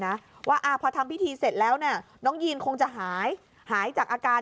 นะว่าอ่าพอทำพิธีเสร็จแล้วเนี่ยน้องยีนคงจะหายหายจากอาการ